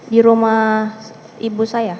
di rumah ibu saya